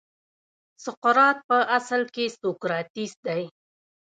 سقراط په اصل کې سوکراتیس دی.